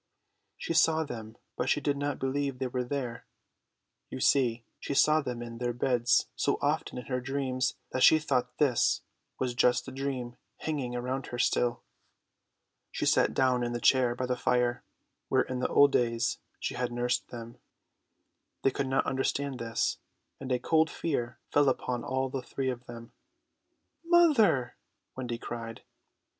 She saw them, but she did not believe they were there. You see, she saw them in their beds so often in her dreams that she thought this was just the dream hanging around her still. She sat down in the chair by the fire, where in the old days she had nursed them. They could not understand this, and a cold fear fell upon all the three of them. "Mother!" Wendy cried.